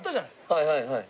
はいはいはい。